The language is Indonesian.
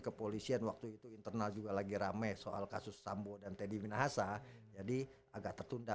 kepolisian waktu itu internal juga lagi rame soal kasus sambo dan teddy minahasa jadi agak tertunda